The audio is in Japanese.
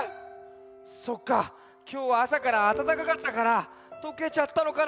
そっかきょうはあさからあたたかかったからとけちゃったのかな。